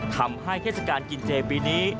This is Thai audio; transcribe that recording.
ทำให้เทศกาลกินเจนปีนี้